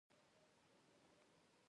په اسلامي ملکونو کې نوی عصر پیل شو.